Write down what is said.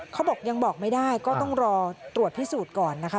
เขาบอกยังบอกไม่ได้ก็ต้องรอตรวจพิสูจน์ก่อนนะคะ